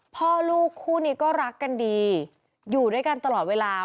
พ่อลูกคู่นี้ก็รักกันดีอยู่ด้วยกันตลอดเวลา